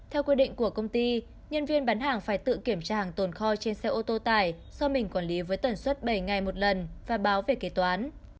theo quy định của công ty nhân viên bán hàng phải tự kiểm tra tồn kho trên xe ô tô tải do mình quản lý với tần suất bảy ngày một lần và báo về kế toán